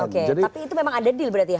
oke tapi itu memang ada deal berarti ya